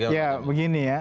ya begini ya